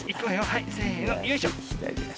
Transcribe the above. はいせのよいしょ。